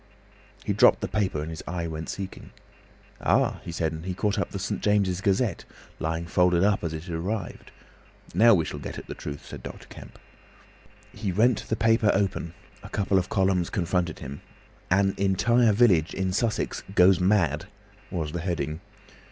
He dropped the paper, and his eye went seeking. "Ah!" he said, and caught up the St. James' Gazette, lying folded up as it arrived. "Now we shall get at the truth," said Dr. Kemp. He rent the paper open; a couple of columns confronted him. "An Entire Village in Sussex goes Mad" was the heading.